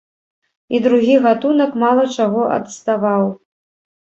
І другі гатунак мала чаго адставаў.